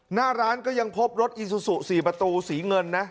หน้าร้านก็ยังพบรถอีซูซู๔ประตูสีเงินนะ